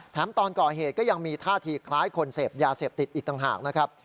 ตอนก่อเหตุก็ยังมีท่าทีคล้ายคนเสพยาเสพติดอีกต่างหากนะครับ